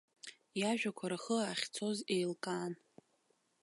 Иажәақәа рхы ахьцоз еилкаан.